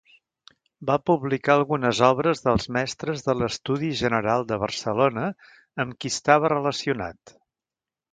Va publicar algunes obres dels mestres de l'Estudi General de Barcelona, amb qui estava relacionat.